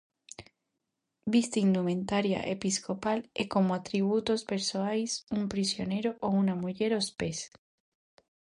Viste indumentaria episcopal e como atributos persoais, un prisioneiro ou unha muller aos pés.